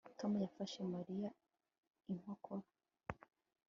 Tom yafashe Mariya inkokora